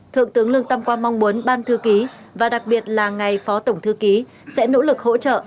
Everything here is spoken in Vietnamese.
thượng tướng lương tam quang mong muốn ban thư ký và đặc biệt là ngài phó tổng thư ký sẽ nỗ lực hỗ trợ